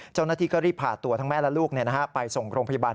เจ้าหน้าที่ก็รีบพาตัวทั้งแม่และลูกไปส่งโรงพยาบาล